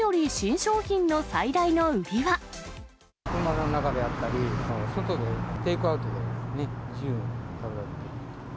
車の中であったり、外でテイクアウトで自由に食べられる。